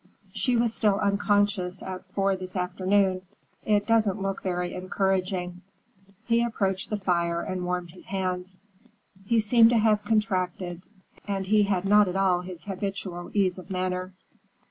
"She was still unconscious at four this afternoon. It doesn't look very encouraging." He approached the fire and warmed his hands. He seemed to have contracted, and he had not at all his habitual ease of manner.